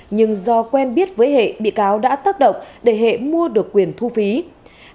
nhưng do quen biết với hệ bị cáo đã tác động để hệ mua được tài sản nhà nước